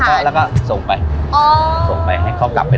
เค้าใจใส่อะไร